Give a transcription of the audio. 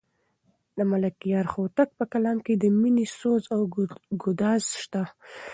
د ملکیار هوتک په کلام کې د مینې سوز او ګداز شته.